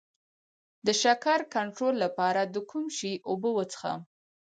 د شکر کنټرول لپاره د کوم شي اوبه وڅښم؟